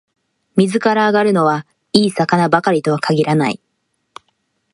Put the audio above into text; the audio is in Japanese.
水から揚がるのは、いい魚ばかりとは限らない